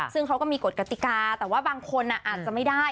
ซึ่งเขาก็มีกฎกติกาแต่ว่าบางคนอาจจะไม่ได้